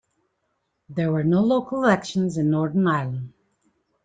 There were no local elections in Northern Ireland.